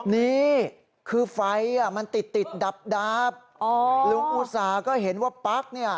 นี่คือไฟมันติดดับลุงอุศาก็เห็นว่าปลั๊กเนี่ย